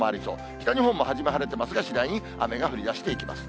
北日本も初め晴れてますが、次第に雨が降りだしていきます。